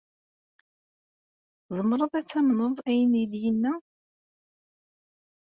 Tzemreḍ ad tamneḍ ayen i d-yenna?